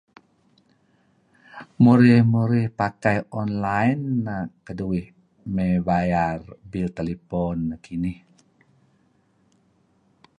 murih murih pakai online nah kaduih may bayar bill telephone kinih.